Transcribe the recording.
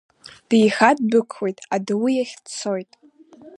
Деиха ддәықәлеит, адау иахь дцоит…